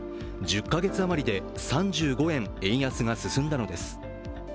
１０か月余りで３５円円安が進んだのです。